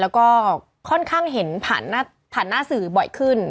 แล้วก็ค่อนข้างเห็นผ่านหน้าสื่อบ่อยขึ้น